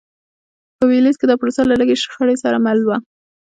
په ویلز کې دا پروسه له لږې شخړې سره مل وه.